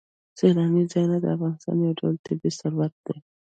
سیلاني ځایونه د افغانستان یو ډول طبعي ثروت دی.